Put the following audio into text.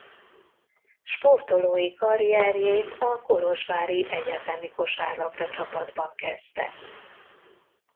Sportolói karrierjét a kolozsvári egyetemi kosárlabdacsapatban kezdte.